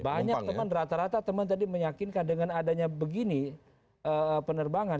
banyak teman rata rata teman tadi meyakinkan dengan adanya begini penerbangan